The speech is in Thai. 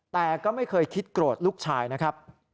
แต่ก็ไม่เคยคิดโกรธลูกชายนะครับ